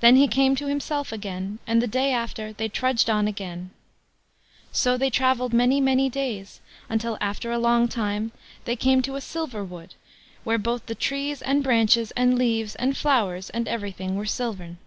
Then he came to himself again, and the day after they trudged on again. So they travelled many, many days, until, after a long long time, they came to a silver wood, where both the trees, and branches, and leaves, and flowers, and everything, were silvern.